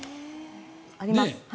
あります。